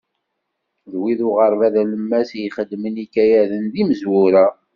D wid uɣerbaz alemmas i ixeddmen ikayaden d imezwura.